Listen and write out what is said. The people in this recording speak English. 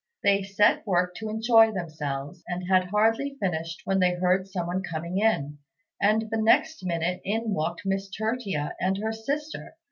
They now set to work to enjoy themselves, and had hardly finished when they heard some one coming in, and the next minute in walked Miss Tertia and her sister.